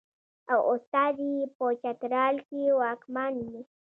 او استازی یې په چترال کې واکمن وي.